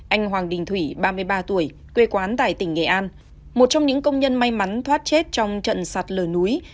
anh hoàng đình thủy ba mươi ba tuổi quê quán tại tỉnh nghệ an một trong những công nhân may mắn thoát chết trong trận sạt lở núi